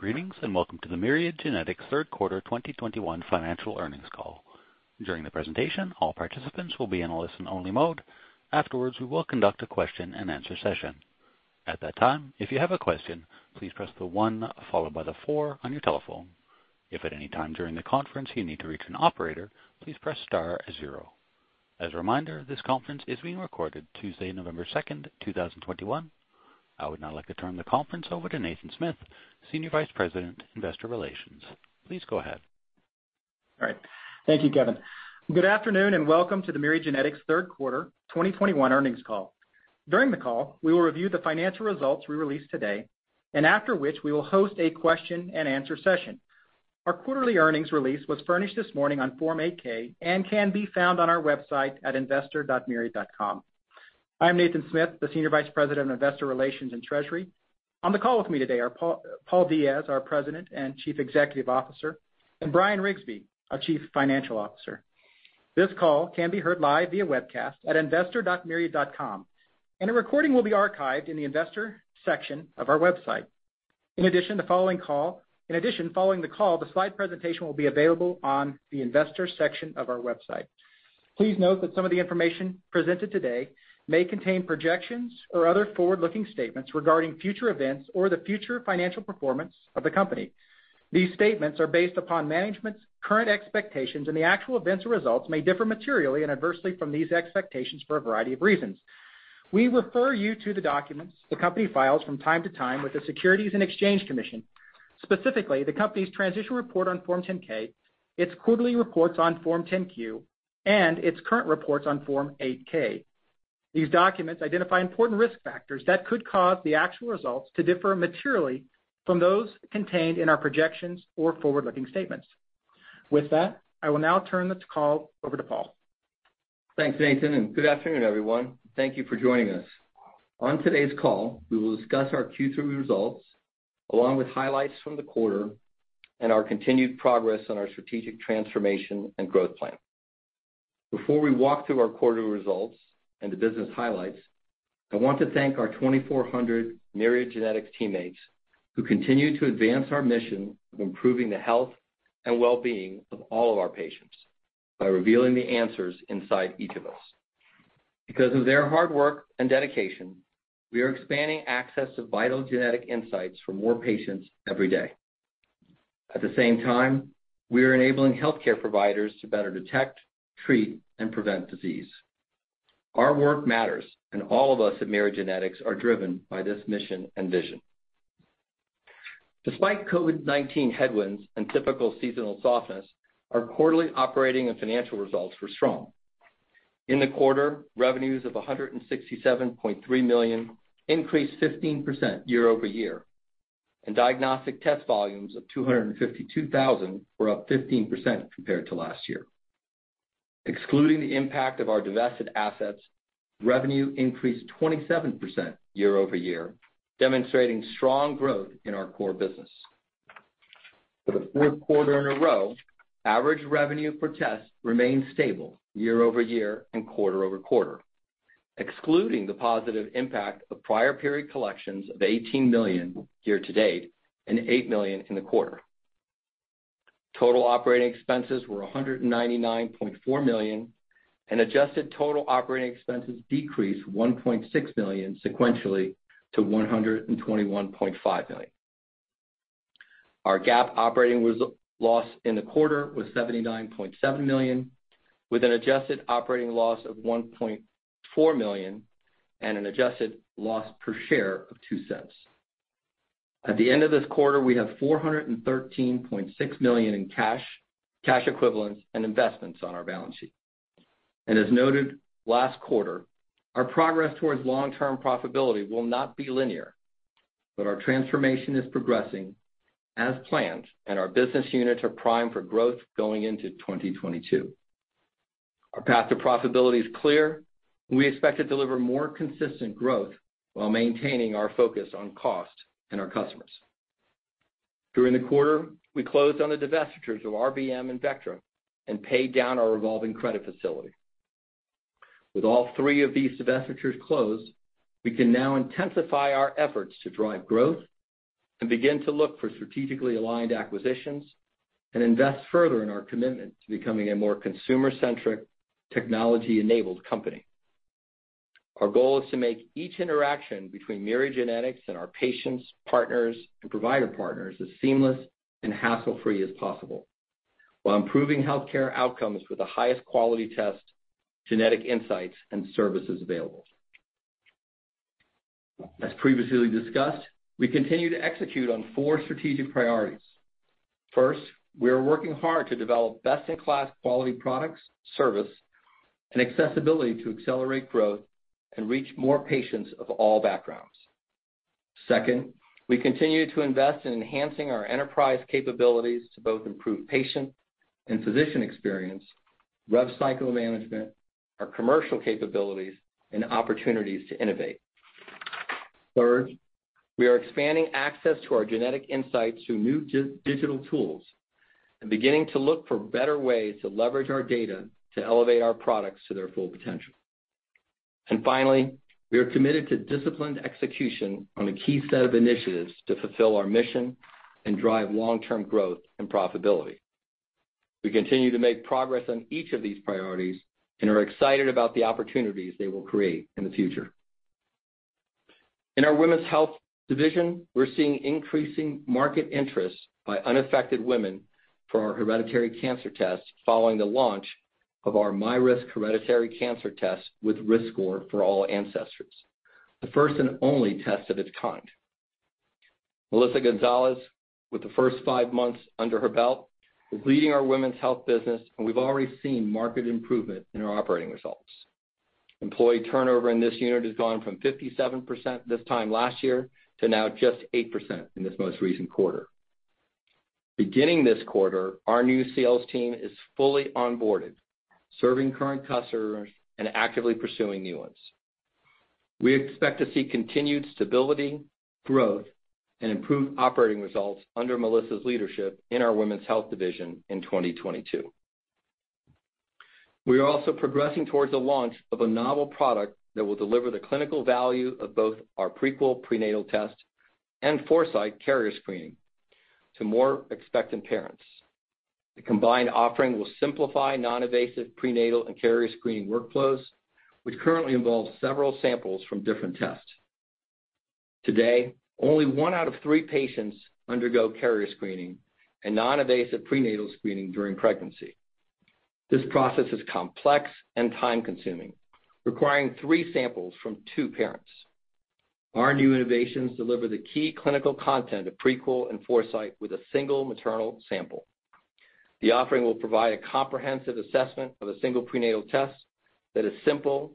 Greetings, and welcome to the Myriad Genetics third quarter 2021 financial earnings call. During the presentation, all participants will be in a listen-only mode. Afterwards, we will conduct a question-and-answer session. At that time, if you have a question, please press one followed by four on your telephone. If at any time during the conference you need to reach an operator, please press star zero. As a reminder, this conference is being recorded Tuesday, November 2nd, 2021. I would now like to turn the conference over to Nathan Smith, Senior Vice President, Investor Relations. Please go ahead. All right. Thank you, Kevin. Good afternoon, and welcome to the Myriad Genetics third quarter 2021 earnings call. During the call, we will review the financial results we released today, and after which we will host a question-and-answer session. Our quarterly earnings release was furnished this morning on Form 8-K and can be found on our website at investor.myriad.com. I'm Nathan Smith, the Senior Vice President of Investor Relations and Treasury. On the call with me today are Paul J. Diaz, our President and Chief Executive Officer, and Bryan Riggsbee, our Chief Financial Officer. This call can be heard live via webcast at investor.myriad.com, and a recording will be archived in the investor section of our website. In addition, following the call, the slide presentation will be available on the investor section of our website. Please note that some of the information presented today may contain projections or other forward-looking statements regarding future events or the future financial performance of the company. These statements are based upon management's current expectations, and the actual events or results may differ materially and adversely from these expectations for a variety of reasons. We refer you to the documents the company files from time to time with the Securities and Exchange Commission, specifically the company's transition report on Form 10-K, its quarterly reports on Form 10-Q, and its current reports on Form 8-K. These documents identify important risk factors that could cause the actual results to differ materially from those contained in our projections or forward-looking statements. With that, I will now turn this call over to Paul. Thanks, Nathan, and good afternoon, everyone. Thank you for joining us. On today's call, we will discuss our Q3 results along with highlights from the quarter and our continued progress on our strategic transformation and growth plan. Before we walk through our quarterly results and the business highlights, I want to thank our 2,400 Myriad Genetics teammates who continue to advance our mission of improving the health and well-being of all of our patients by revealing the answers inside each of us. Because of their hard work and dedication, we are expanding access to vital genetic insights for more patients every day. At the same time, we are enabling healthcare providers to better detect, treat, and prevent disease. Our work matters, and all of us at Myriad Genetics are driven by this mission and vision. Despite COVID-19 headwinds and typical seasonal softness, our quarterly operating and financial results were strong. In the quarter, revenues of $167.3 million increased 15% year-over-year, and diagnostic test volumes of 252,000 were up 15% compared to last year. Excluding the impact of our divested assets, revenue increased 27% year-over-year, demonstrating strong growth in our core business. For the fourth quarter in a row, average revenue per test remained stable year-over-year and quarter-over-quarter, excluding the positive impact of prior period collections of $18 million year-to-date and $8 million in the quarter. Total operating expenses were $199.4 million, and adjusted total operating expenses decreased $1.6 million sequentially to $121.5 million. Our GAAP operating loss in the quarter was $79.7 million, with an adjusted operating loss of $1.4 million and an adjusted loss per share of $0.02. At the end of this quarter, we have $413.6 million in cash equivalents, and investments on our balance sheet. As noted last quarter, our progress towards long-term profitability will not be linear. Our transformation is progressing as planned, and our business units are primed for growth going into 2022. Our path to profitability is clear, and we expect to deliver more consistent growth while maintaining our focus on cost and our customers. During the quarter, we closed on the divestitures of RBM and Vectra and paid down our revolving credit facility. With all three of these divestitures closed, we can now intensify our efforts to drive growth and begin to look for strategically aligned acquisitions and invest further in our commitment to becoming a more consumer-centric, technology-enabled company. Our goal is to make each interaction between Myriad Genetics and our patients, partners, and provider partners as seamless and hassle-free as possible while improving healthcare outcomes with the highest quality tests, genetic insights, and services available. As previously discussed, we continue to execute on four strategic priorities. First, we are working hard to develop best-in-class quality products, service, and accessibility to accelerate growth and reach more patients of all backgrounds. Second, we continue to invest in enhancing our enterprise capabilities to both improve patient and physician experience, rev cycle management, our commercial capabilities, and opportunities to innovate. Third, we are expanding access to our genetic insights through new digital tools and beginning to look for better ways to leverage our data to elevate our products to their full potential. Finally, we are committed to disciplined execution on a key set of initiatives to fulfill our mission and drive long-term growth and profitability. We continue to make progress on each of these priorities, and are excited about the opportunities they will create in the future. In our Women's Health division, we're seeing increasing market interest by unaffected women for our hereditary cancer test following the launch of our myRisk hereditary cancer test with RiskScore for all ancestries, the first and only test of its kind. Melissa Gonzalez, with the first five months under her belt, is leading our Women's Health business, and we've already seen market improvement in our operating results. Employee turnover in this unit has gone from 57% this time last year to now just 8% in this most recent quarter. Beginning this quarter, our new sales team is fully onboarded, serving current customers and actively pursuing new ones. We expect to see continued stability, growth, and improved operating results under Melissa's leadership in our Women's Health division in 2022. We are also progressing towards the launch of a novel product that will deliver the clinical value of both our Prequel prenatal test and Foresight carrier screening to more expectant parents. The combined offering will simplify non-invasive prenatal and carrier screening workflows, which currently involve several samples from different tests. Today, only 1/3 of patients undergo carrier screening and non-invasive prenatal screening during pregnancy. This process is complex and time-consuming, requiring three samples from two parents. Our new innovations deliver the key clinical content of Prequel and Foresight with a single maternal sample. The offering will provide a comprehensive assessment of a single prenatal test that is simple,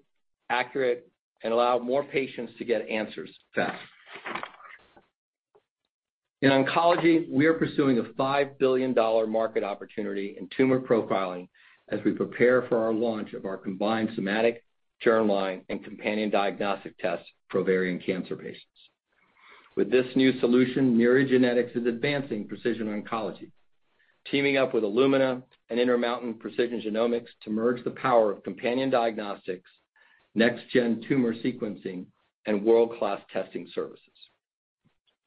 accurate, and allow more patients to get answers fast. In oncology, we are pursuing a $5 billion market opportunity in tumor profiling as we prepare for our launch of our combined somatic, germline, and companion diagnostic test for ovarian cancer patients. With this new solution, Myriad Genetics is advancing precision oncology, teaming up with Illumina and Intermountain Precision Genomics to merge the power of companion diagnostics, next gen tumor sequencing, and world-class testing services.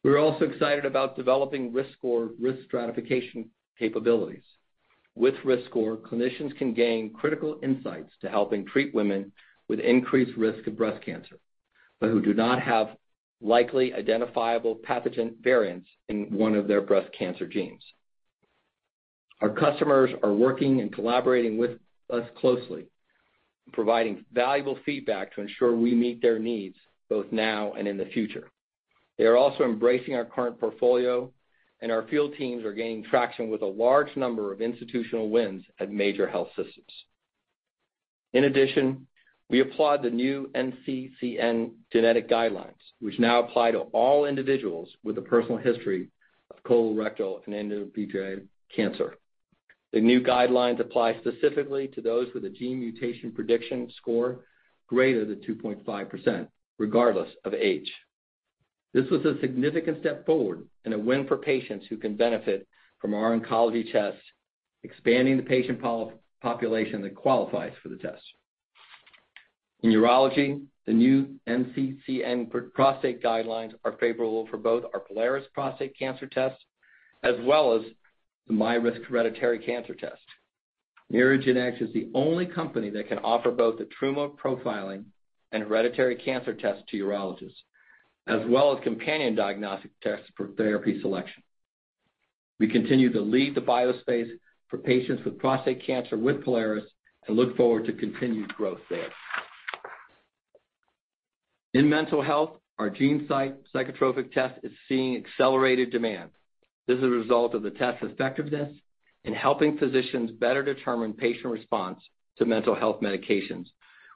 We're also excited about developing RiskScore risk stratification capabilities. With RiskScore, clinicians can gain critical insights to helping treat women with increased risk of breast cancer, but who do not have likely identifiable pathogenic variants in one of their breast cancer genes. Our customers are working and collaborating with us closely, providing valuable feedback to ensure we meet their needs both now and in the future. They are also embracing our current portfolio, and our field teams are gaining traction with a large number of institutional wins at major health systems. In addition, we applaud the new NCCN genetic guidelines, which now apply to all individuals with a personal history of colorectal and endometrial cancer. The new guidelines apply specifically to those with a gene mutation prediction score greater than 2.5%, regardless of age. This was a significant step forward and a win for patients who can benefit from our oncology tests, expanding the patient population that qualifies for the test. In urology, the new NCCN prostate guidelines are favorable for both our Prolaris prostate cancer test as well as the myRisk hereditary cancer test. Myriad Genetics is the only company that can offer both the tumor profiling and hereditary cancer test to urologists, as well as companion diagnostic tests for therapy selection. We continue to lead the bio space for patients with prostate cancer with Prolaris and look forward to continued growth there. In mental health, our GeneSight psychotropic test is seeing accelerated demand. This is a result of the test's effectiveness in helping physicians better determine patient response to mental health medications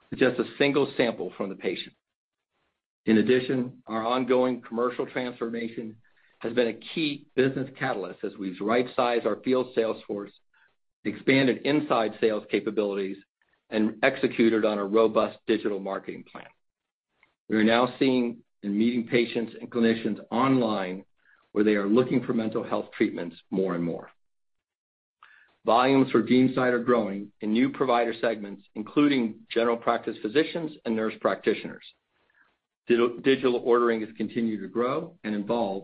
with just a single sample from the patient. In addition, our ongoing commercial transformation has been a key business catalyst as we've right-sized our field sales force, expanded inside sales capabilities, and executed on a robust digital marketing plan. We are now seeing and meeting patients and clinicians online, where they are looking for mental health treatments more and more. Volumes for GeneSight are growing in new provider segments, including general practice physicians and nurse practitioners. Digital ordering has continued to grow and evolve,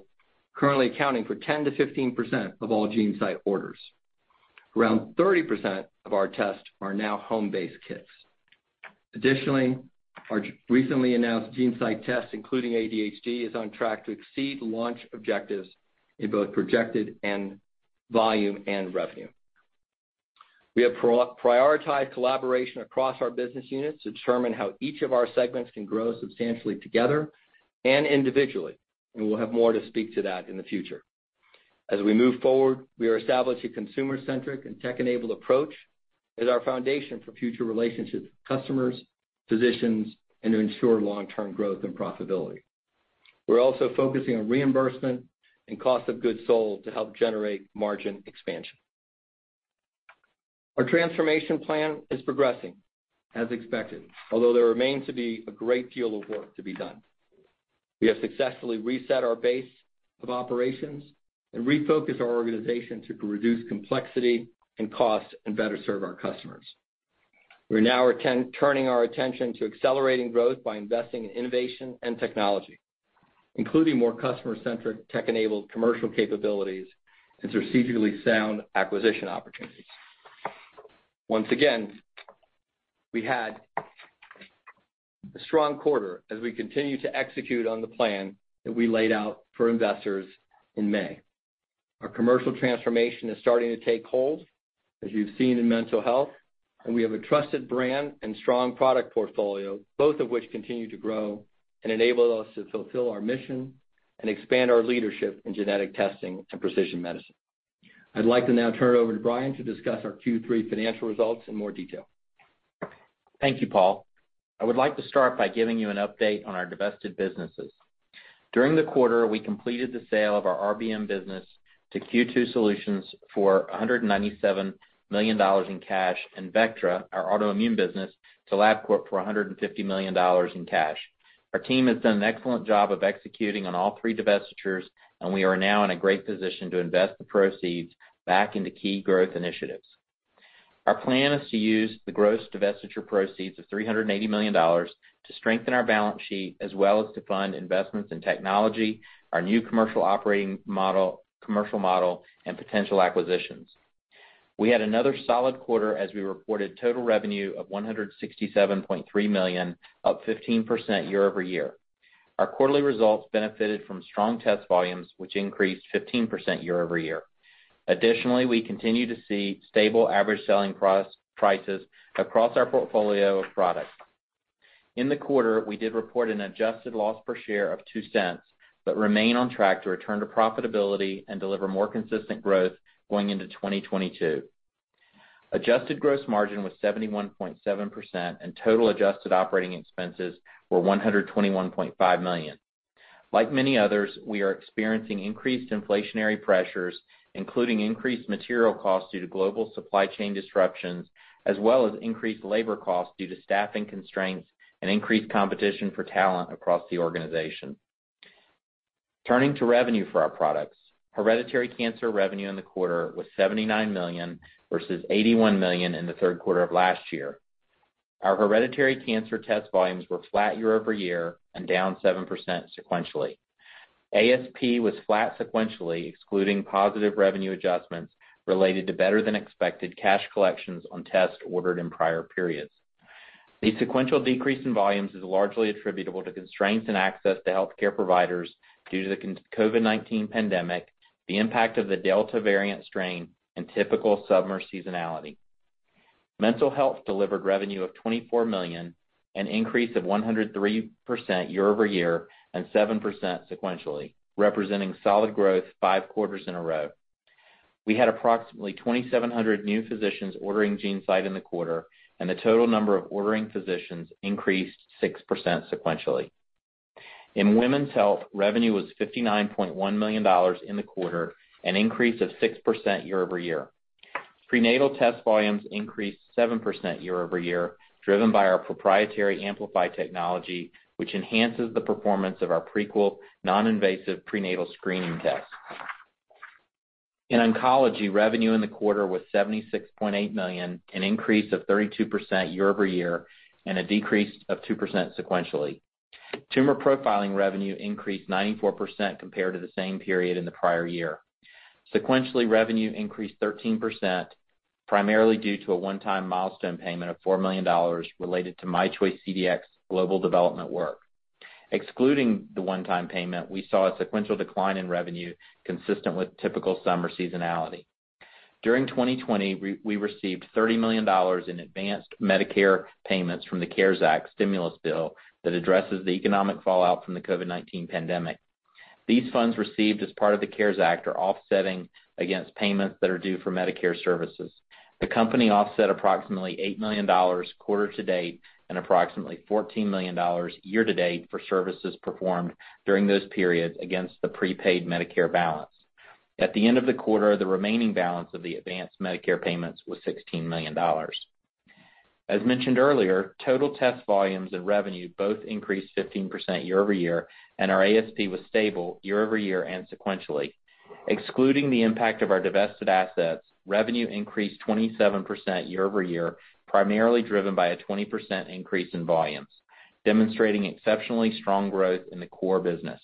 currently accounting for 10%-15% of all GeneSight orders. Around 30% of our tests are now home-based kits. Additionally, our recently announced GeneSight test including ADHD is on track to exceed launch objectives in both projected volume and revenue. We have prioritized collaboration across our business units to determine how each of our segments can grow substantially together and individually, and we'll have more to speak to that in the future. As we move forward, we are establishing consumer-centric and tech-enabled approach as our foundation for future relationships with customers, physicians, and to ensure long-term growth and profitability. We're also focusing on reimbursement and cost of goods sold to help generate margin expansion. Our transformation plan is progressing as expected, although there remains to be a great deal of work to be done. We have successfully reset our base of operations and refocused our organization to reduce complexity and cost and better serve our customers. We're now turning our attention to accelerating growth by investing in innovation and technology, including more customer-centric tech-enabled commercial capabilities and strategically sound acquisition opportunities. Once again, we had a strong quarter as we continue to execute on the plan that we laid out for investors in May. Our commercial transformation is starting to take hold, as you've seen in mental health, and we have a trusted brand and strong product portfolio, both of which continue to grow and enable us to fulfill our mission and expand our leadership in genetic testing and precision medicine. I'd like to now turn it over to Bryan to discuss our Q3 financial results in more detail. Thank you, Paul. I would like to start by giving you an update on our divested businesses. During the quarter, we completed the sale of our RBM business to Q2 Solutions for $197 million in cash, and Vectra, our autoimmune business, to Labcorp for $150 million in cash. Our team has done an excellent job of executing on all three divestitures, and we are now in a great position to invest the proceeds back into key growth initiatives. Our plan is to use the gross divestiture proceeds of $380 million to strengthen our balance sheet as well as to fund investments in technology, our new commercial operating model, and potential acquisitions. We had another solid quarter as we reported total revenue of $167.3 million, up 15% year-over-year. Our quarterly results benefited from strong test volumes, which increased 15% year-over-year. Additionally, we continue to see stable average selling prices across our portfolio of products. In the quarter, we did report an adjusted loss per share of $0.02, but remain on track to return to profitability and deliver more consistent growth going into 2022. Adjusted gross margin was 71.7%, and total adjusted operating expenses were $121.5 million. Like many others, we are experiencing increased inflationary pressures, including increased material costs due to global supply chain disruptions, as well as increased labor costs due to staffing constraints and increased competition for talent across the organization. Turning to revenue for our products. Hereditary cancer revenue in the quarter was $79 million versus $81 million in the third quarter of last year. Our hereditary cancer test volumes were flat year-over-year and down 7% sequentially. ASP was flat sequentially, excluding positive revenue adjustments related to better than expected cash collections on tests ordered in prior periods. The sequential decrease in volumes is largely attributable to constraints and access to healthcare providers due to the COVID-19 pandemic, the impact of the Delta variant strain, and typical summer seasonality. Mental Health delivered revenue of $24 million, an increase of 103% year-over-year and 7% sequentially, representing solid growth five quarters in a row. We had approximately 2,700 new physicians ordering GeneSight in the quarter, and the total number of ordering physicians increased 6% sequentially. In Women's Health, revenue was $59.1 million in the quarter, an increase of 6% year-over-year. Prenatal test volumes increased 7% year-over-year, driven by our proprietary Amplify technology, which enhances the performance of our Prequel non-invasive prenatal screening test. In oncology, revenue in the quarter was $76.8 million, an increase of 32% year-over-year and a decrease of 2% sequentially. Tumor profiling revenue increased 94% compared to the same period in the prior year. Sequentially, revenue increased 13%, primarily due to a one-time milestone payment of $4 million related to myChoice CDx global development work. Excluding the one-time payment, we saw a sequential decline in revenue consistent with typical summer seasonality. During 2020, we received $30 million in advanced Medicare payments from the CARES Act stimulus bill that addresses the economic fallout from the COVID-19 pandemic. These funds, received as part of the CARES Act, are offsetting against payments that are due for Medicare services. The company offset approximately $8 million quarter-to-date and approximately $14 million year-to-date for services performed during those periods against the prepaid Medicare balance. At the end of the quarter, the remaining balance of the advanced Medicare payments was $16 million. As mentioned earlier, total test volumes and revenue both increased 15% year-over-year, and our ASP was stable year-over-year and sequentially. Excluding the impact of our divested assets, revenue increased 27% year-over-year, primarily driven by a 20% increase in volumes, demonstrating exceptionally strong growth in the core business.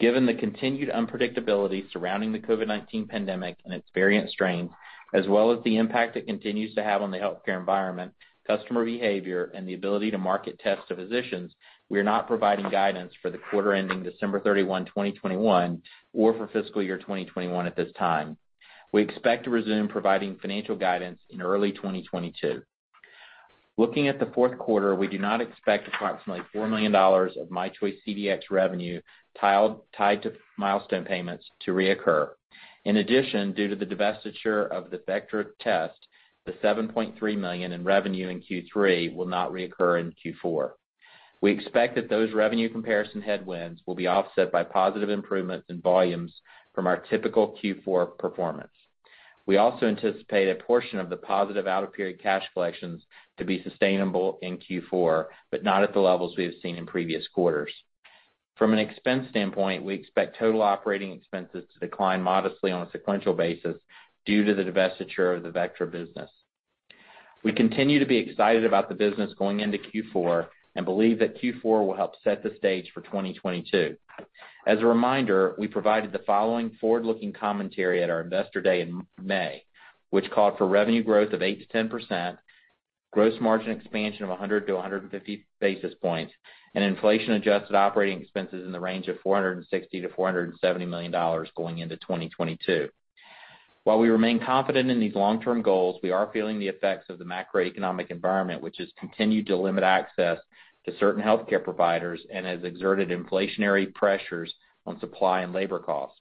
Given the continued unpredictability surrounding the COVID-19 pandemic and its variant strains, as well as the impact it continues to have on the healthcare environment, customer behavior, and the ability to market tests to physicians, we are not providing guidance for the quarter ending December 31, 2021, or for fiscal year 2021 at this time. We expect to resume providing financial guidance in early 2022. Looking at the fourth quarter, we do not expect approximately $4 million of myChoice CDx revenue tied to milestone payments to reoccur. In addition, due to the divestiture of the Vectra test, the $7.3 million in revenue in Q3 will not reoccur in Q4. We expect that those revenue comparison headwinds will be offset by positive improvements in volumes from our typical Q4 performance. We also anticipate a portion of the positive out-of-period cash collections to be sustainable in Q4, but not at the levels we have seen in previous quarters. From an expense standpoint, we expect total operating expenses to decline modestly on a sequential basis due to the divestiture of the Vectra business. We continue to be excited about the business going into Q4 and believe that Q4 will help set the stage for 2022. As a reminder, we provided the following forward-looking commentary at our Investor Day in May, which called for revenue growth of 8%-10%, gross margin expansion of 100-150 basis points, and inflation-adjusted operating expenses in the range of $460 million-$470 million going into 2022. While we remain confident in these long-term goals, we are feeling the effects of the macroeconomic environment, which has continued to limit access to certain healthcare providers and has exerted inflationary pressures on supply and labor cost.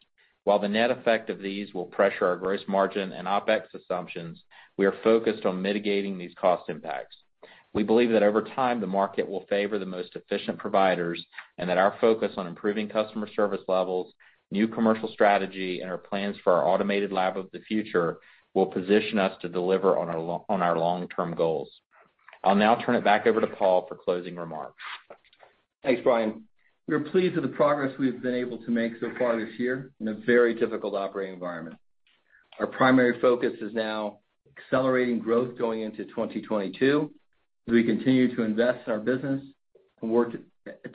While the net effect of these will pressure our gross margin and OpEx assumptions, we are focused on mitigating these cost impacts. We believe that over time, the market will favor the most efficient providers, and that our focus on improving customer service levels, new commercial strategy, and our plans for our automated lab of the future will position us to deliver on our long-term goals. I'll now turn it back over to Paul for closing remarks. Thanks, Bryan Riggsbee. We are pleased with the progress we've been able to make so far this year in a very difficult operating environment. Our primary focus is now accelerating growth going into 2022, as we continue to invest in our business and work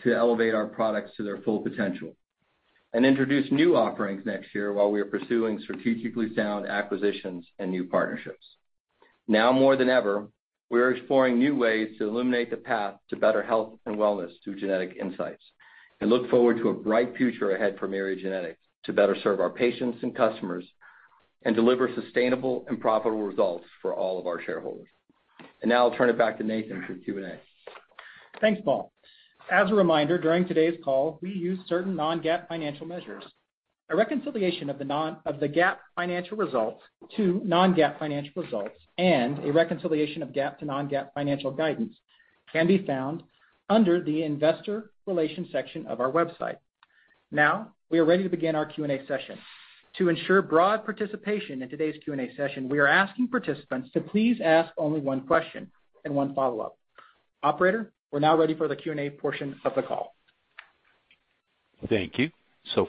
to elevate our products to their full potential, and introduce new offerings next year while we are pursuing strategically sound acquisitions and new partnerships. Now more than ever, we are exploring new ways to illuminate the path to better health and wellness through genetic insights, and look forward to a bright future ahead for Myriad Genetics to better serve our patients and customers and deliver sustainable and profitable results for all of our shareholders. Now I'll turn it back to Nathan Smith for Q&A. Thanks, Paul. As a reminder, during today's call, we use certain non-GAAP financial measures. A reconciliation of the GAAP financial results to non-GAAP financial results and a reconciliation of GAAP to non-GAAP financial guidance can be found under the Investor Relations section of our website. Now, we are ready to begin our Q&A session. To ensure broad participation in today's Q&A session, we are asking participants to please ask only one question and one follow-up. Operator, we're now ready for the Q&A portion of the call. Thank you.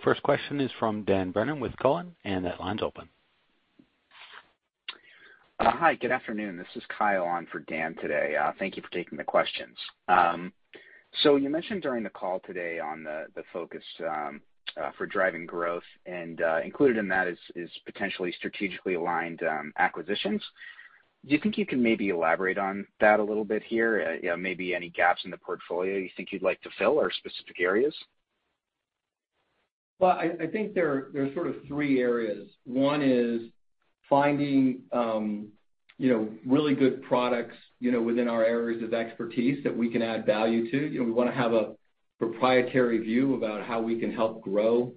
First question is from Dan Brennan with Cowen, and the line's open. Hi. Good afternoon. This is Kyle on for Dan today. Thank you for taking the questions. You mentioned during the call today on the focus for driving growth and included in that is potentially strategically aligned acquisitions. Do you think you can maybe elaborate on that a little bit here? Yeah, maybe any gaps in the portfolio you think you'd like to fill or specific areas? I think there are sort of three areas. One is finding you know, really good products, you know, within our areas of expertise that we can add value to. You know, we wanna have a proprietary view about how we can help grow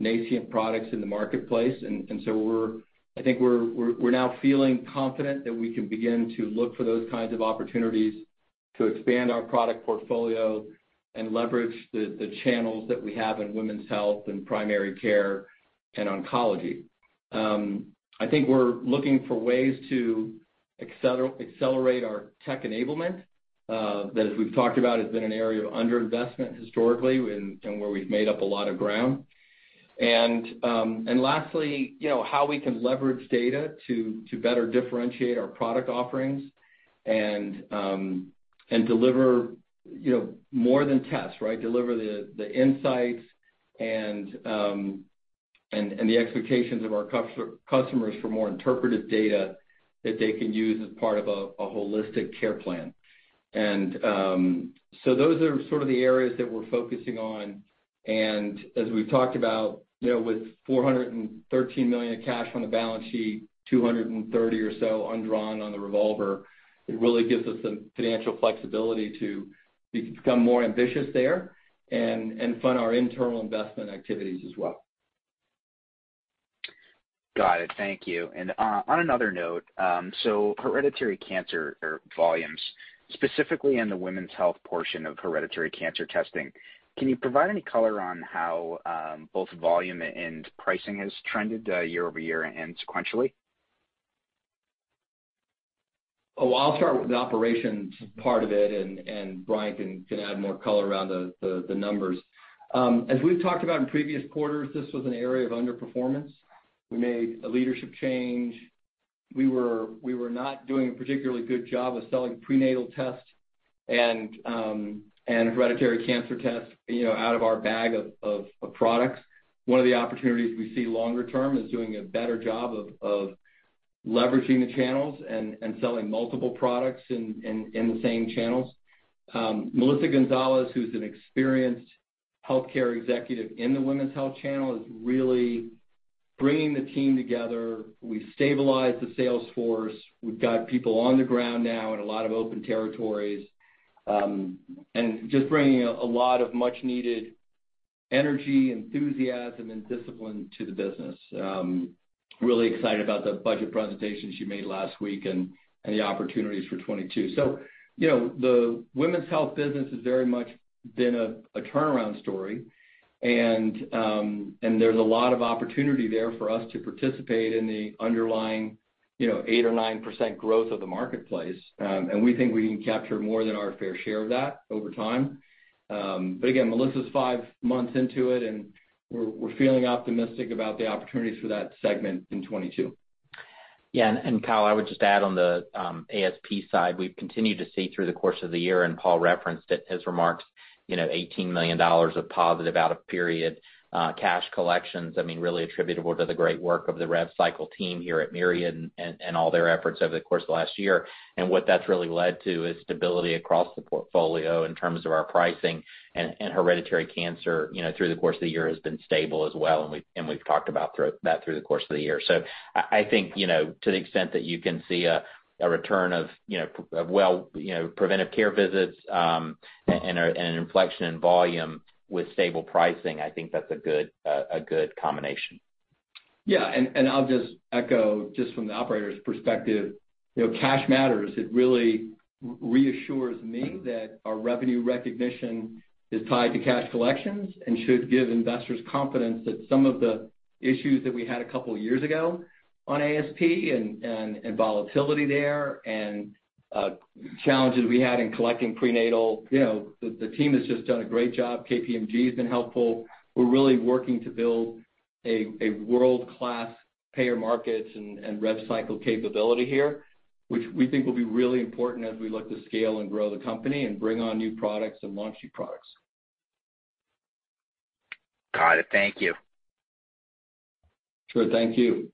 nascent products in the marketplace. So I think we're now feeling confident that we can begin to look for those kinds of opportunities to expand our product portfolio and leverage the channels that we have in women's health and primary care and oncology. I think we're looking for ways to accelerate our tech enablement, that as we've talked about, has been an area of under-investment historically and where we've made up a lot of ground. Lastly, you know, how we can leverage data to better differentiate our product offerings and deliver, you know, more than tests, right? Deliver the insights and the expectations of our customers for more interpretive data that they can use as part of a holistic care plan. Those are sort of the areas that we're focusing on. As we've talked about, you know, with $413 million of cash on the balance sheet, $230 or so undrawn on the revolver, it really gives us the financial flexibility to become more ambitious there and fund our internal investment activities as well. Got it. Thank you. On another note, hereditary cancer volumes, specifically in the Women's Health portion of hereditary cancer testing, can you provide any color on how both volume and pricing has trended year-over-year and sequentially? Oh, I'll start with the operations part of it and Bryan can add more color around the numbers. As we've talked about in previous quarters, this was an area of underperformance. We made a leadership change. We were not doing a particularly good job of selling prenatal tests and hereditary cancer tests, you know, out of our bag of products. One of the opportunities we see longer term is doing a better job of leveraging the channels and selling multiple products in the same channels. Melissa Gonzalez, who's an experienced healthcare executive in the women's health channel, is really bringing the team together. We've stabilized the sales force. We've got people on the ground now in a lot of open territories and just bringing a lot of much needed energy, enthusiasm, and discipline to the business. Really excited about the budget presentation she made last week and the opportunities for 2022. You know, the women's health business has very much been a turnaround story and there's a lot of opportunity there for us to participate in the underlying. You know, 8%-9% growth of the marketplace and we think we can capture more than our fair share of that over time. But again, Melissa's five months into it, and we're feeling optimistic about the opportunities for that segment in 2022. Yeah, Kyle, I would just add on the ASP side, we've continued to see through the course of the year, and Paul referenced it, his remarks, you know, $18 million of positive out-of-period cash collections, I mean, really attributable to the great work of the rev cycle team here at Myriad and all their efforts over the course of last year. What that's really led to is stability across the portfolio in terms of our pricing. Hereditary cancer, you know, through the course of the year has been stable as well, and we've talked about that through the course of the year. I think, you know, to the extent that you can see a return of, you know, well, you know, preventive care visits, and an inflection in volume with stable pricing, I think that's a good combination. Yeah. I'll just echo just from the operator's perspective, you know, cash matters. It really reassures me that our revenue recognition is tied to cash collections and should give investors confidence that some of the issues that we had a couple of years ago on ASP and volatility there and challenges we had in collecting prenatal, you know, the team has just done a great job. KPMG has been helpful. We're really working to build a world-class payer markets and rev cycle capability here, which we think will be really important as we look to scale and grow the company and bring on new products and launch new products. Got it. Thank you. Sure. Thank you.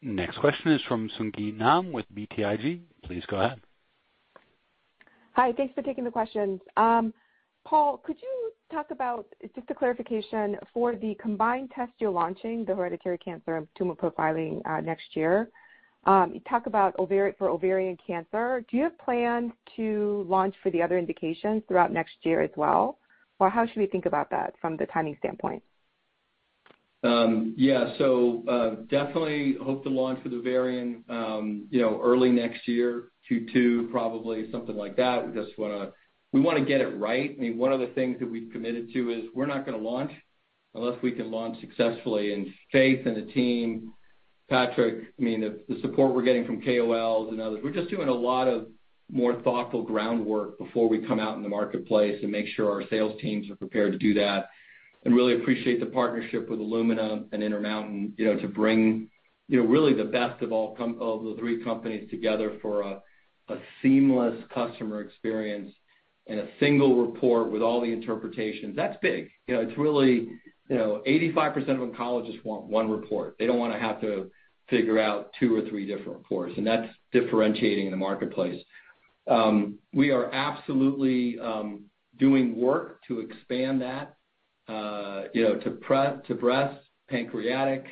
Next question is from Sung Ji Nam with BTIG. Please go ahead. Hi. Thanks for taking the questions. Paul, could you talk about, just a clarification, for the combined test you're launching, the hereditary cancer and tumor profiling, next year, you talk about for ovarian cancer, do you have plans to launch for the other indications throughout next year as well or how should we think about that from the timing standpoint? Yeah. Definitely hope to launch for the ovarian, you know, early next year, Q2 probably, something like that. We wanna get it right. I mean, one of the things that we've committed to is we're not gonna launch unless we can launch successfully. Faith and the team, Patrick, I mean, the support we're getting from KOLs and others, we're just doing a lot more thoughtful groundwork before we come out in the marketplace to make sure our sales teams are prepared to do that, and really appreciate the partnership with Illumina and Intermountain, you know, to bring, you know, really the best of all of the three companies together for a seamless customer experience and a single report with all the interpretations. That's big. You know, it's really, you know, 85% of oncologists want one report. They don't wanna have to figure out two or three different reports, and that's differentiating in the marketplace. We are absolutely doing work to expand that, you know, to breast, pancreatic,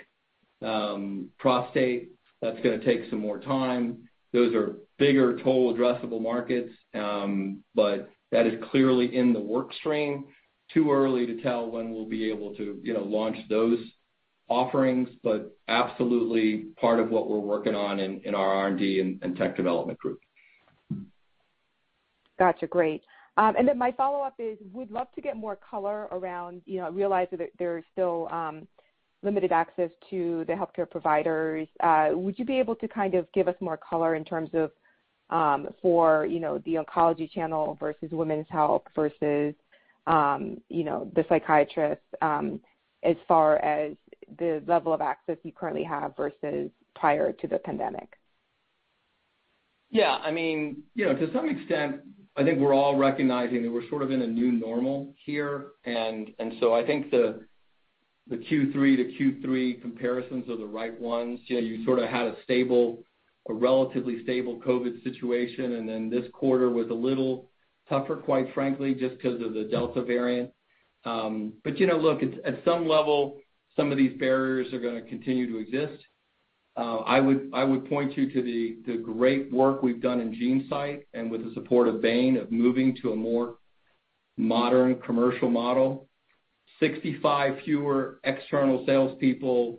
prostate. That's gonna take some more time. Those are bigger total addressable markets, but that is clearly in the work stream. Too early to tell when we'll be able to, you know, launch those offerings, but absolutely part of what we're working on in our R&D and tech development group. Gotcha. Great. My follow-up is, we'd love to get more color around, you know, realize that there is still limited access to the healthcare providers. Would you be able to kind of give us more color in terms of for you know the oncology channel versus women's health versus you know the psychiatrist as far as the level of access you currently have versus prior to the pandemic? Yeah. I mean, you know, to some extent, I think we're all recognizing that we're sort of in a new normal here. I think the Q3-Q3 comparisons are the right ones. You know, you sort of had a relatively stable COVID situation, and then this quarter was a little tougher, quite frankly, just 'cause of the Delta variant. You know, look, at some level, some of these barriers are gonna continue to exist. I would point you to the great work we've done in GeneSight and with the support of Bain in moving to a more modern commercial model. 65 fewer external salespeople,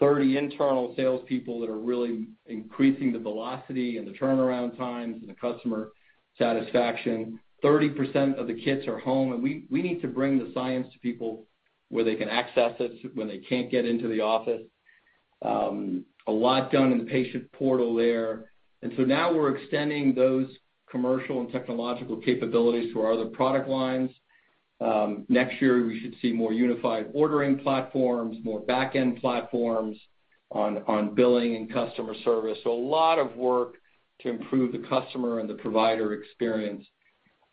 30 internal salespeople that are really increasing the velocity and the turnaround times and the customer satisfaction. 30% of the kits are home, and we need to bring the science to people where they can access it when they can't get into the office. A lot done in the patient portal there. Now we're extending those commercial and technological capabilities to our other product lines. Next year, we should see more unified ordering platforms, more back-end platforms on billing and customer service. A lot of work to improve the customer and the provider experience.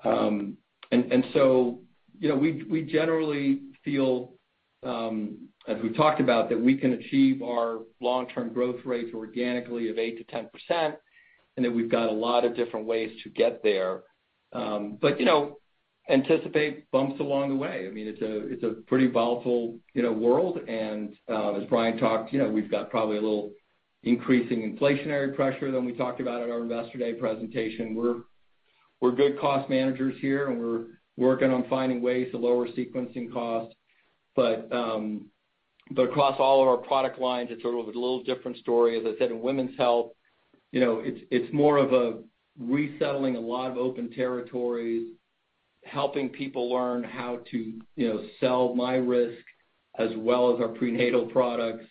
You know, we generally feel, as we talked about, that we can achieve our long-term growth rates organically of 8%-10%, and that we've got a lot of different ways to get there. You know, anticipate bumps along the way. I mean, it's a pretty volatile world. As Bryan talked, you know, we've got probably a little increasing inflationary pressure than we talked about at our Investor Day presentation. We're good cost managers here, and we're working on finding ways to lower sequencing costs. Across all of our product lines, it's sort of a little different story. As I said, in Women's Health, you know, it's more of a resettling a lot of open territories, helping people learn how to, you know, sell myRisk as well as our prenatal products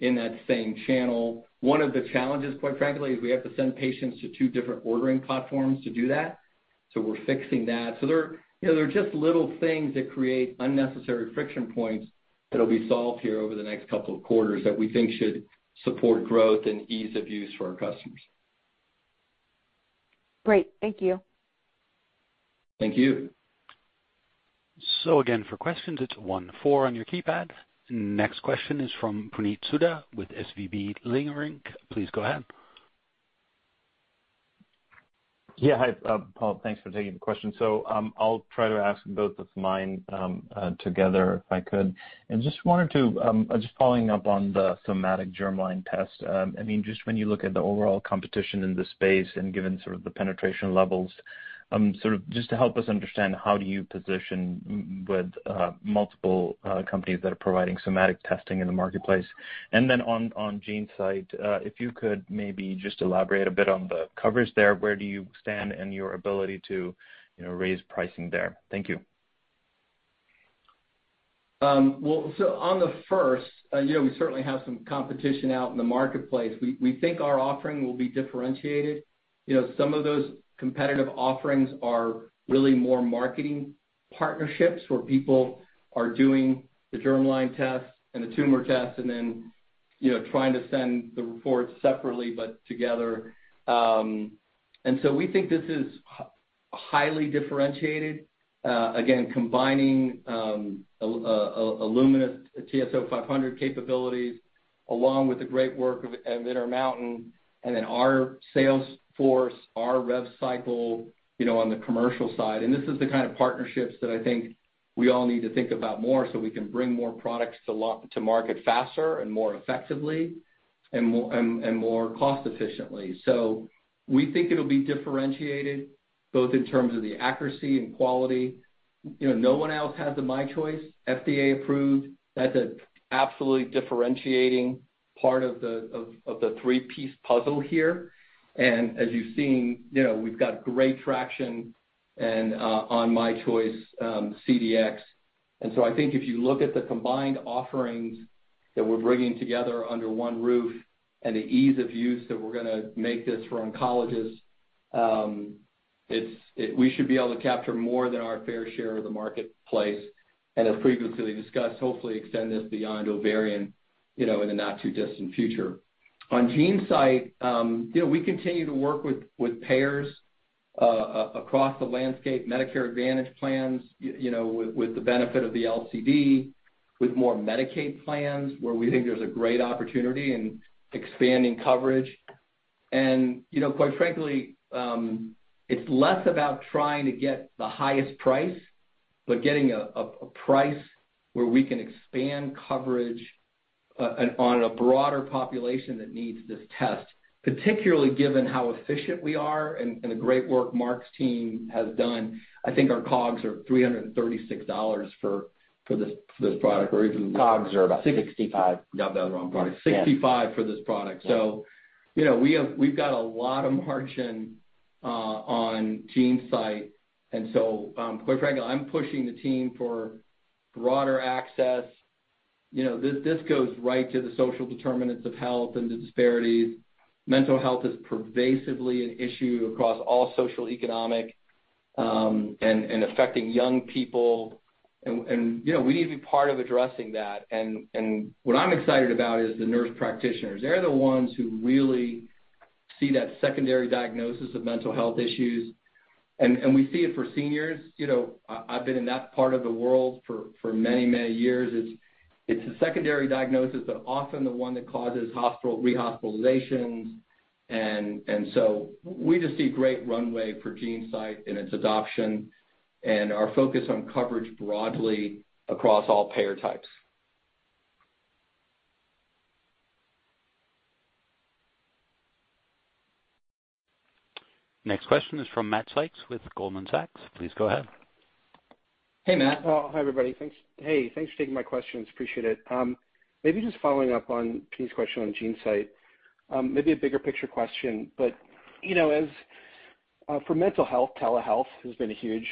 in that same channel. One of the challenges, quite frankly, is we have to send patients to two different ordering platforms to do that. We're fixing that. You know, there are just little things that create unnecessary friction points that'll be solved here over the next couple of quarters that we think should support growth and ease of use for our customers. Great. Thank you. Thank you. Again, for questions, it's one four on your keypad. Next question is from Puneet Souda with SVB Leerink. Please go ahead. Yeah. Hi, Paul, thanks for taking the question. I'll try to ask both of mine together, if I could. Just wanted to just following up on the somatic germline test. I mean, just when you look at the overall competition in this space and given sort of the penetration levels, sort of just to help us understand, how do you position Myriad with multiple companies that are providing somatic testing in the marketplace? Then on GeneSight, if you could maybe just elaborate a bit on the coverage there. Where do you stand in your ability to raise pricing there? Thank you. Well, on the first, you know, we certainly have some competition out in the marketplace. We think our offering will be differentiated. You know, some of those competitive offerings are really more marketing partnerships where people are doing the germline test and the tumor test and then, you know, trying to send the reports separately, but together. We think this is highly differentiated, again, combining a Illumina TSO 500 capabilities along with the great work of Intermountain and then our sales force, our rev cycle, you know, on the commercial side. This is the kind of partnerships that I think we all need to think about more so we can bring more products to market faster and more effectively and more cost efficiently. We think it'll be differentiated both in terms of the accuracy and quality. You know, no one else has the myChoice FDA approved. That's an absolutely differentiating part of the three-piece puzzle here. As you've seen, you know, we've got great traction and on myChoice CDx. I think if you look at the combined offerings that we're bringing together under one roof and the ease of use that we're gonna make this for oncologists, we should be able to capture more than our fair share of the marketplace, and as previously discussed, hopefully extend this beyond ovarian, you know, in the not too distant future. On GeneSight, we continue to work with payers across the landscape, Medicare Advantage plans, with the benefit of the LCD, with more Medicaid plans where we think there's a great opportunity in expanding coverage. You know, quite frankly, it's less about trying to get the highest price, but getting a price where we can expand coverage and on a broader population that needs this test, particularly given how efficient we are and the great work Mark's team has done. I think our COGS are $336 for this product or even- COGS are about 65. Got that wrong. Sorry. Yeah. 65% for this product. You know, we've got a lot of margin on GeneSight. Quite frankly, I'm pushing the team for broader access. You know, this goes right to the social determinants of health and the disparities. Mental health is pervasively an issue across all socioeconomic and affecting young people. You know, we need to be part of addressing that. What I'm excited about is the nurse practitioners. They're the ones who really see that secondary diagnosis of mental health issues. We see it for seniors. You know, I've been in that part of the world for many years. It's a secondary diagnosis, but often the one that causes rehospitalizations. We just see great runway for GeneSight and its adoption and our focus on coverage broadly across all payer types. Next question is from Matt Sykes with Goldman Sachs. Please go ahead. Hey, Matt. Oh, hi, everybody. Thanks. Hey, thanks for taking my questions. Appreciate it. Maybe just following up on Puneet's question on GeneSight. Maybe a bigger picture question. You know, as for mental health, telehealth has been a huge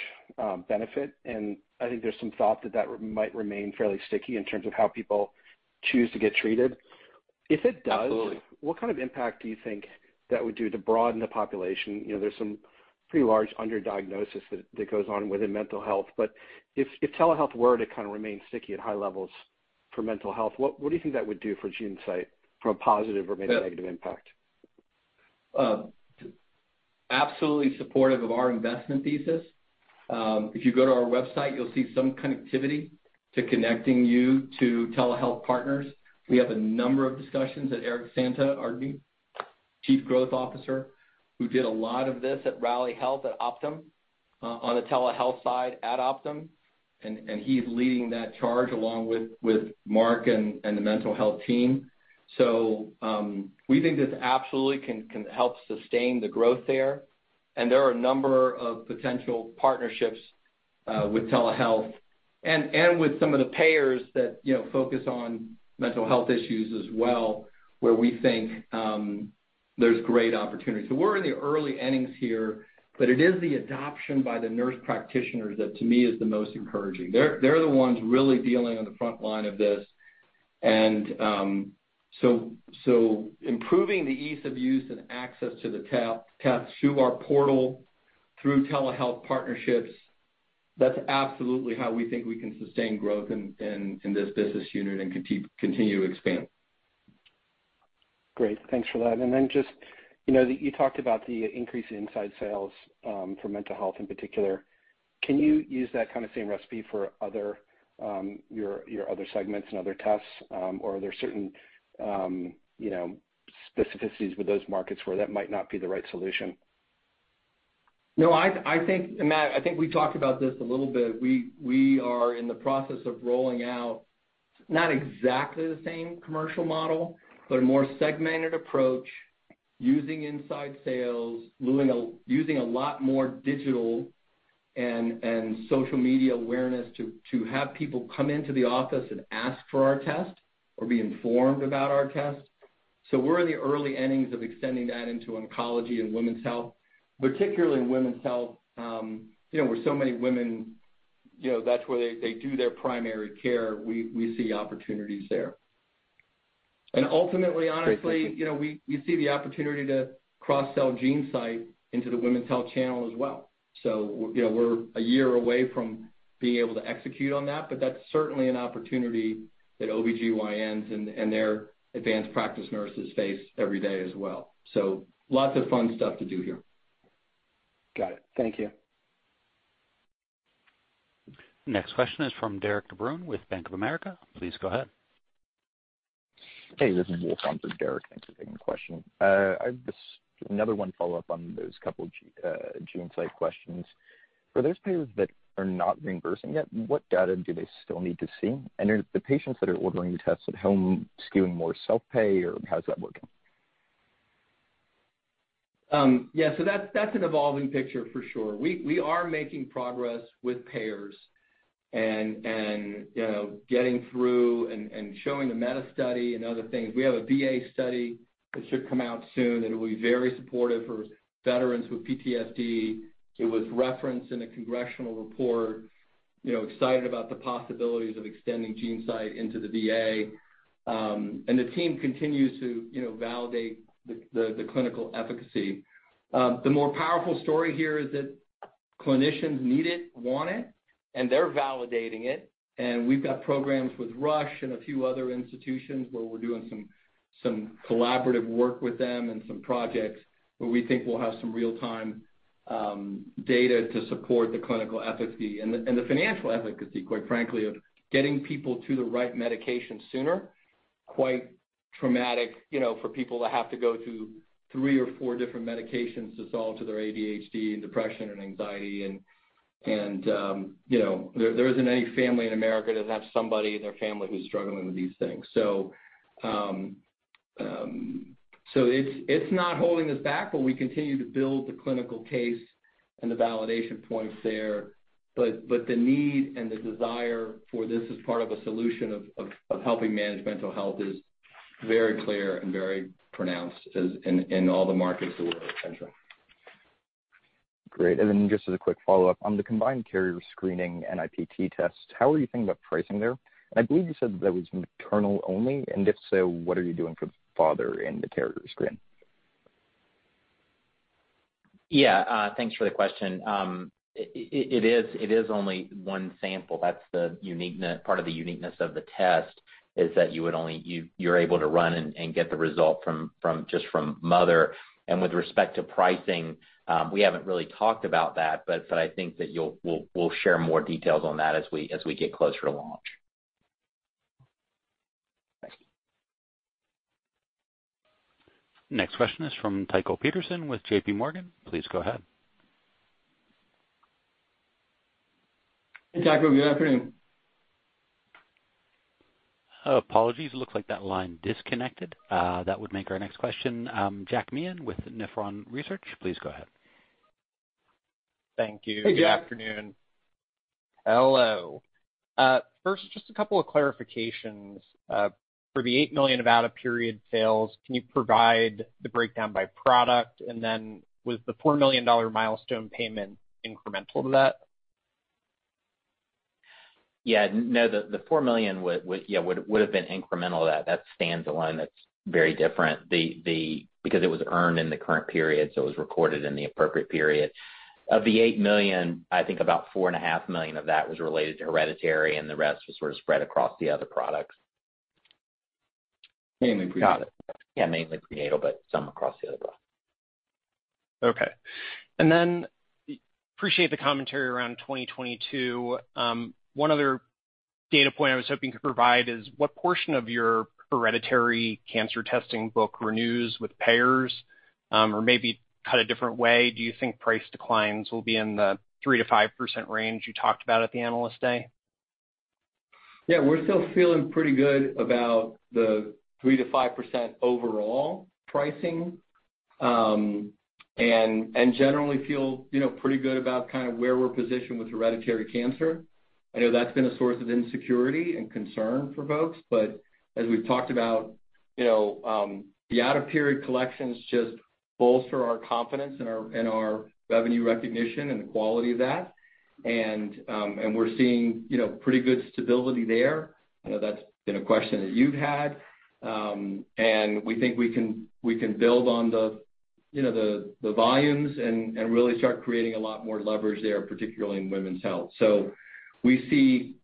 benefit, and I think there's some thought that that might remain fairly sticky in terms of how people choose to get treated. If it does- Absolutely. What kind of impact do you think that would do to broaden the population? You know, there's some pretty large underdiagnosis that goes on within mental health. But if telehealth were to kind of remain sticky at high levels for mental health, what do you think that would do for GeneSight from a positive or maybe negative impact? Absolutely supportive of our investment thesis. If you go to our website, you'll see some connectivity to connecting you to telehealth partners. We have a number of discussions. Eric Santor, our new Chief Growth Officer, who did a lot of this at Rally Health, at Optum, on the telehealth side at Optum. He's leading that charge along with Mark and the mental health team. We think this absolutely can help sustain the growth there. There are a number of potential partnerships with telehealth and with some of the payers that, you know, focus on mental health issues as well, where we think there's great opportunity. We're in the early innings here, but it is the adoption by the nurse practitioners that to me is the most encouraging. They're the ones really dealing on the front line of this. Improving the ease of use and access to the test through our portal, through telehealth partnerships, that's absolutely how we think we can sustain growth in this business unit and continue to expand. Great. Thanks for that. Just you talked about the increase in inside sales for mental health in particular. Can you use that kind of same recipe for other, your other segments and other tests or are there certain specificities with those markets where that might not be the right solution? No, I think, Matt, we talked about this a little bit. We are in the process of rolling out not exactly the same commercial model, but a more segmented approach using inside sales, using a lot more digital and social media awareness to have people come into the office and ask for our test or be informed about our test. We're in the early innings of extending that into oncology and women's health. Particularly in women's health, you know, where so many women, you know, that's where they do their primary care. We see opportunities there. Ultimately, honestly- Great. Thank you. You know, we see the opportunity to cross-sell GeneSight into the women's health channel as well. You know, we're a year away from being able to execute on that, but that's certainly an opportunity that OB-GYNs and their advanced practice nurses face every day as well. Lots of fun stuff to do here. Got it. Thank you. Next question is from Derik De Bruin with Bank of America. Please go ahead. This is Will Thompson for Derik De Bruin. Thanks for taking the question. I just have another follow-up on those couple GeneSight questions. For those payers that are not reimbursing yet, what data do they still need to see and are the patients that are ordering the tests at home skewing more self-pay, or how's that working? Yeah, that's an evolving picture for sure. We are making progress with payers and, you know, getting through and showing the meta study and other things. We have a VA study that should come out soon, and it'll be very supportive for veterans with PTSD. It was referenced in a congressional report, you know, excited about the possibilities of extending GeneSight into the VA. The team continues to, you know, validate the clinical efficacy. The more powerful story here is that clinicians need it, want it, and they're validating it. We've got programs with Rush and a few other institutions where we're doing some collaborative work with them and some projects where we think we'll have some real-time data to support the clinical efficacy and the financial efficacy, quite frankly, of getting people to the right medication sooner. Quite traumatic, you know, for people to have to go through three or four different medications to solve their ADHD and depression and anxiety and you know, there isn't any family in America that has somebody in their family who's struggling with these things. It's not holding us back, but we continue to build the clinical case and the validation points there. The need and the desire for this as part of a solution of helping manage mental health is very clear and very pronounced as in all the markets that we're entering. Great. Just as a quick follow-up, on the combined carrier screening and NIPT test, how are you thinking about pricing there? I believe you said that was maternal only, and if so, what are you doing for the father in the carrier screen? Yeah. Thanks for the question. It is only one sample. That's part of the uniqueness of the test is that you're able to run and get the result from just mother. With respect to pricing, we haven't really talked about that, but I think that we'll share more details on that as we get closer to launch. Thanks. Next question is from Tycho Peterson with J.P. Morgan. Please go ahead. Tycho. Good afternoon. Apologies. It looks like that line disconnected. That would make our next question, Jack Meehan with Nephron Research. Please go ahead. Thank you. Hey, Jack. Good afternoon. Hello. First, just a couple of clarifications. For the $8 million out-of-period sales, can you provide the breakdown by product? Was the $4 million milestone payment incremental to that? Yeah. No, the $4 million would, you know, have been incremental. That's standalone. That's very different because it was earned in the current period, so it was recorded in the appropriate period. Of the $8 million, I think about $4.5 million of that was related to hereditary, and the rest was sort of spread across the other products. Mainly prenatal. Got it. Yeah, mainly prenatal, but some across the other products. Okay. Appreciate the commentary around 2022. One other data point I was hoping you could provide is what portion of your hereditary cancer testing book renews with payers or maybe cut a different way, do you think price declines will be in the 3%-5% range you talked about at the Analyst Day? Yeah. We're still feeling pretty good about the 3%-5% overall pricing. We generally feel, you know, pretty good about kind of where we're positioned with hereditary cancer. I know that's been a source of insecurity and concern for folks, but as we've talked about, you know, the out-of-period collections just bolster our confidence in our revenue recognition and the quality of that. We're seeing, you know, pretty good stability there. I know that's been a question that you've had. We think we can build on the volumes and really start creating a lot more leverage there, particularly in Women's Health. We see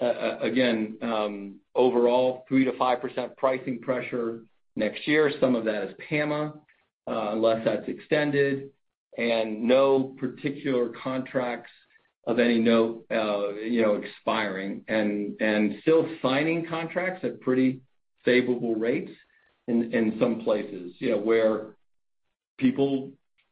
again overall 3%-5% pricing pressure next year. Some of that is PAMA unless that's extended, and no particular contracts of any note, you know, expiring, and still signing contracts at pretty favorable rates in some places, you know, where people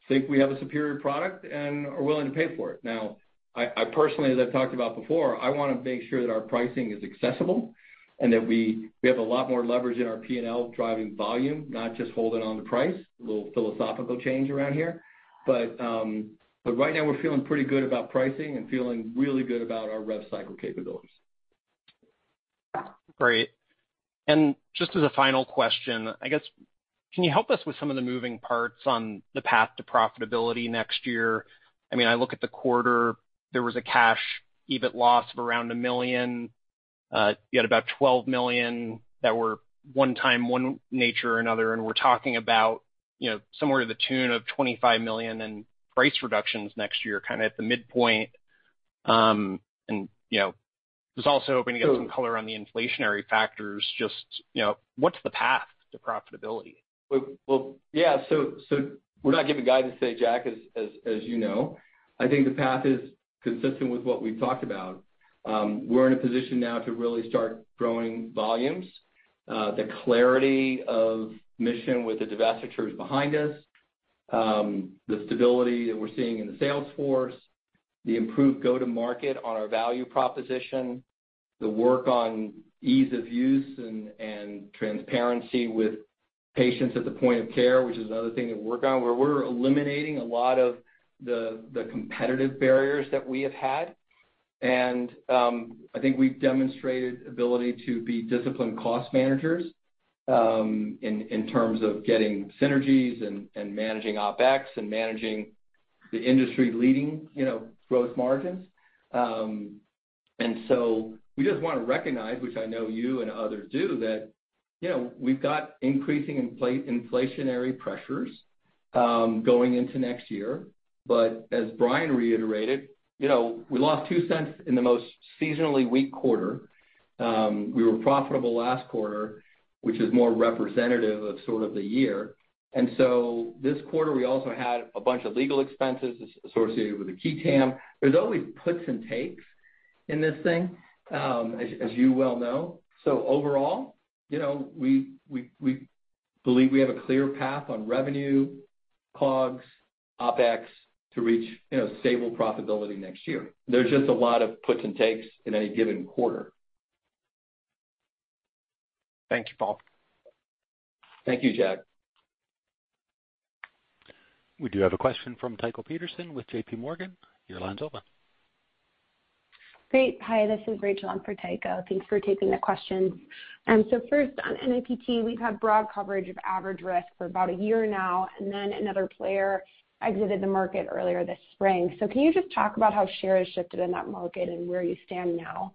think we have a superior product and are willing to pay for it. Now, I personally, as I've talked about before, I wanna make sure that our pricing is accessible and that we have a lot more leverage in our P&L driving volume, not just holding on to price. A little philosophical change around here. Right now we're feeling pretty good about pricing and feeling really good about our rev cycle capabilities. Great. Just as a final question, I guess can you help us with some of the moving parts on the path to profitability next year? I mean, I look at the quarter, there was a cash EBIT loss of around $1 million. You had about $12 million that were one-time in nature or another, and we're talking about, you know, somewhere to the tune of $25 million in price reductions next year, kinda at the midpoint. You know, I was also hoping to get some color on the inflationary factors, just, you know, what's the path to profitability? Well, yeah. So we're not giving guidance today, Jack, as you know. I think the path is consistent with what we've talked about. We're in a position now to really start growing volumes. The clarity of mission with the divestitures behind us, the stability that we're seeing in the sales force, the improved go-to-market on our value proposition, the work on ease of use and transparency with patients at the point of care, which is another thing that we're working on, where we're eliminating a lot of the competitive barriers that we have had. I think we've demonstrated ability to be disciplined cost managers, in terms of getting synergies and managing OpEx and managing the industry-leading, you know, growth margins. We just wanna recognize, which I know you and others do, that, you know, we've got increasing inflationary pressures going into next year. As Bryan reiterated, you know, we lost $0.02 in the most seasonally weak quarter. We were profitable last quarter, which is more representative of sort of the year. This quarter, we also had a bunch of legal expenses associated with the qui tam. There's always puts and takes in this thing, as you well know. Overall, you know, we believe we have a clear path on revenue, COGS, OpEx to reach, you know, stable profitability next year. There's just a lot of puts and takes in any given quarter. Thank you, Paul. Thank you, Jack. We do have a question from Tycho Peterson with J.P. Morgan. Your line's open. Great. Hi, this is Rachel on for Tycho. Thanks for taking the questions. First on NIPT, we've had broad coverage of average risk for about a year now, and then another player exited the market earlier this spring. Can you just talk about how share has shifted in that market and where you stand now?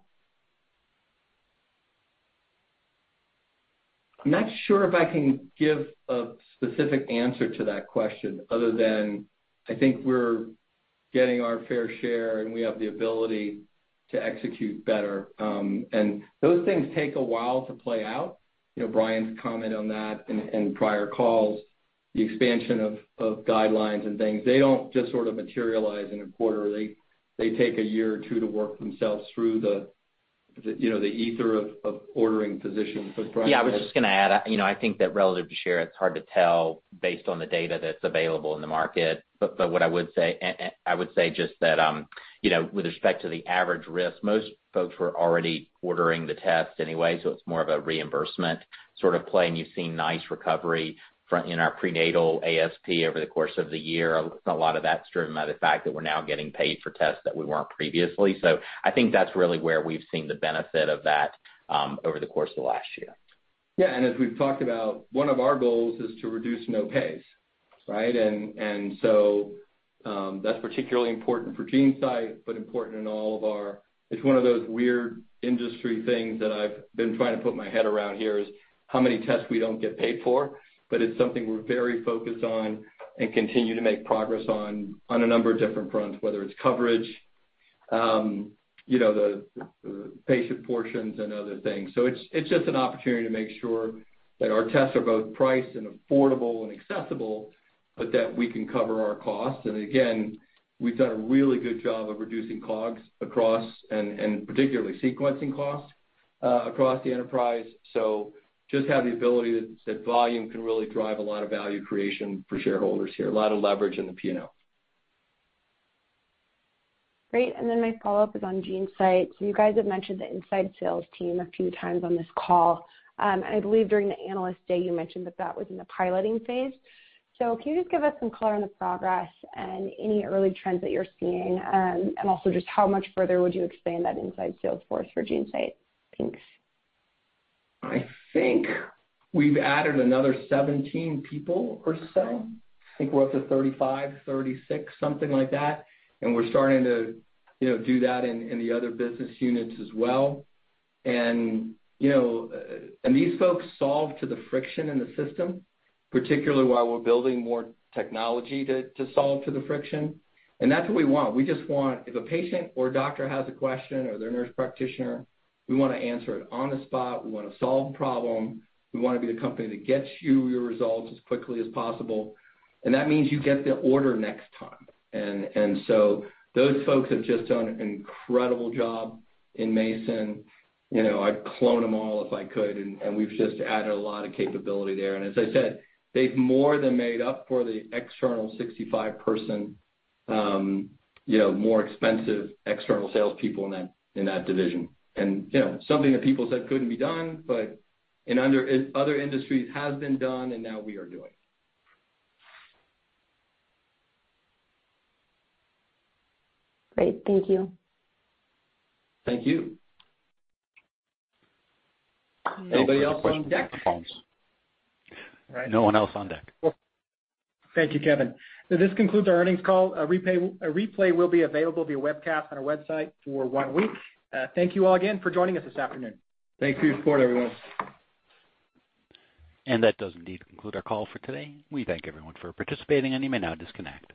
I'm not sure if I can give a specific answer to that question other than I think we're getting our fair share, and we have the ability to execute better. Those things take a while to play out. You know, Bryan's comment on that in prior calls, the expansion of guidelines and things, they don't just sort of materialize in a quarter. They take a year or two to work themselves through the you know, the ether of ordering physicians. Bryan. Yeah. I was just gonna add, you know, I think that relative to share, it's hard to tell based on the data that's available in the market. What I would say, and I would say just that, you know, with respect to the average risk, most folks were already ordering the test anyway, so it's more of a reimbursement sort of play, and you've seen nice recovery from, you know, our prenatal ASP over the course of the year. A lot of that's driven by the fact that we're now getting paid for tests that we weren't previously. I think that's really where we've seen the benefit of that, over the course of last year. Yeah. As we've talked about, one of our goals is to reduce no-pays, right? That's particularly important for GeneSight, but important in all of our. It's one of those weird industry things that I've been trying to put my head around here is how many tests we don't get paid for, but it's something we're very focused on and continue to make progress on a number of different fronts, whether it's coverage, you know, the patient portions and other things. It's just an opportunity to make sure that our tests are both priced and affordable and accessible, but that we can cover our costs. We've done a really good job of reducing COGS across, particularly sequencing costs, across the enterprise. Just have the ability that volume can really drive a lot of value creation for shareholders here, a lot of leverage in the P&L. Great. Then my follow-up is on GeneSight. You guys have mentioned the inside sales team a few times on this call. I believe during the Analyst Day, you mentioned that that was in the piloting phase. Can you just give us some color on the progress and any early trends that you're seeing? Also, how much further would you expand that inside sales force for GeneSight? Thanks. I think we've added another 17 people or so. I think we're up to 35, 36, something like that, and we're starting to, you know, do that in the other business units as well. You know, and these folks solve to the friction in the system, particularly while we're building more technology to solve to the friction. That's what we want. We just want, if a patient or doctor has a question or their nurse practitioner, we wanna answer it on the spot. We wanna solve the problem. We wanna be the company that gets you your results as quickly as possible. That means you get the order next time. So those folks have just done an incredible job in Mason. You know, I'd clone them all if I could, and we've just added a lot of capability there. As I said, they've more than made up for the external 65-person, you know, more expensive external salespeople in that division. You know, something that people said couldn't be done, but in other industries has been done, and now we are doing. Great. Thank you. Thank you. Anybody else on deck? No one else on deck. Thank you, Kevin. This concludes our earnings call. A replay will be available via webcast on our website for one week. Thank you all again for joining us this afternoon. Thank you for your support, everyone. That does indeed conclude our call for today. We thank everyone for participating, and you may now disconnect.